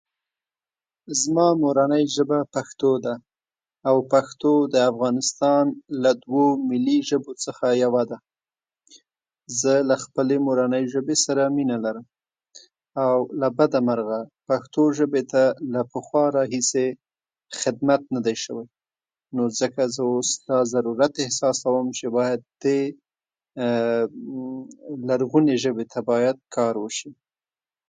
زما مورنۍ ژبه پښتو ده او پښتو د افغانستان د دوو ملي ژبو څخه یوه ده زه له خپلې مورنۍ ژبې سره مينه لرم او له بدمرغه پښتو ژبې ته له پخوا راهيسي خدمت ندی شوی نو ځکه زه اوس داضرورت احساسوم چې باید دې لرغوني ژبې ته باید کار وشي